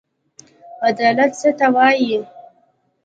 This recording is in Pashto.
عدالت څه ته وايي.